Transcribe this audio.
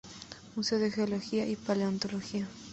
Museo de geología y paleontología.